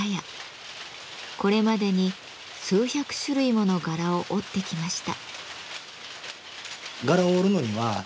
これまでに数百種類もの柄を織ってきました。